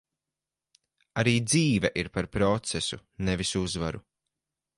Arī dzīve ir par procesu, nevis uzvaru.